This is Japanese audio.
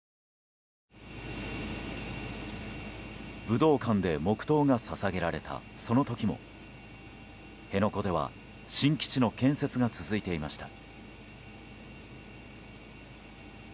武道館で黙祷が捧げられたその時も辺野古では新基地の建設が続いていました。